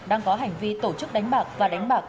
đang có hành vi tổ chức đánh bạc và đánh bạc